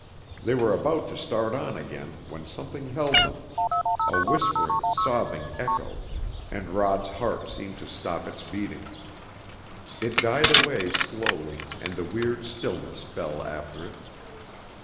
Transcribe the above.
They were about to start on again when something held them, a whispering, sobbing echo, and Rod's heart seemed to stop its beating. It died away slowly, and a weird stillness fell after it.